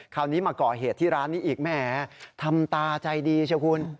คราวนี้มาก่อเหตุที่ร้านนี้อีกแหมทำตาใจดีเชียวคุณ